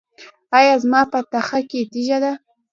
ایا زما په تخه کې تیږه ده؟